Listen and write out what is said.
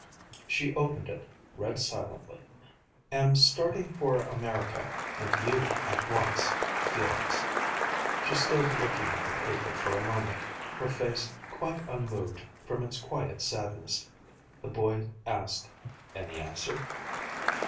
She opened it, read silently, "Am starting for America and you at once. Felix." She stood looking at the paper for a moment, her face quite unmoved from its quiet sadness. The boy asked, "Any answer?"